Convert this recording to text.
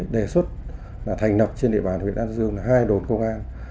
đề xuất là thành lập trên địa bàn huyện an dương là hai đồn công an